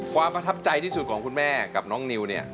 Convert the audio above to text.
ประทับใจที่สุดของคุณแม่กับน้องนิวเนี่ย